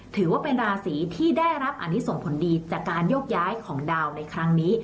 ถือว่าเป็นราศีที่ได้รับอันนี้ส่งผลดีจากการโยกย้ายของดาวในครั้งนี้